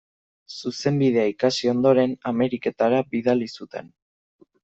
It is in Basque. Zuzenbidea ikasi ondoren, Ameriketara bidali zuten.